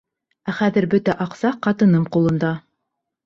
Ә хәҙер бөтә аҡса ҡатыным ҡулында.